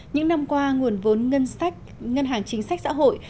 những năm qua nguồn vốn ngân hàng chính sách xã hội